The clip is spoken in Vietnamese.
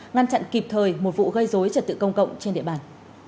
ngăn chặn kịp thời một vụ gây dối trật tự công cộng trên địa bàn